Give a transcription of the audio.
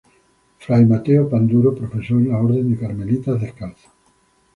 Fray Mateo Panduro profesó en la orden de carmelitas descalzos.